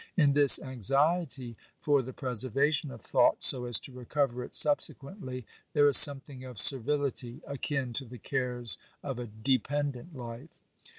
In this anxiety for the preservation of thought so as to recover it subsequently, there is something of servility, akin to the cares of a dependent life.